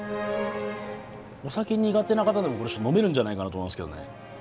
お酒苦手な方でも飲めるんじゃないかなと思いますけどね。